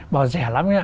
bảo rẻ lắm nha